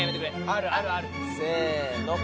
あるあるあるせの。